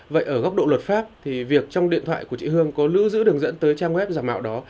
vậy ở góc độ luật pháp thì việc trong điện thoại của chị hương có lưu giữ đường dẫn tới trang web giả mạo đó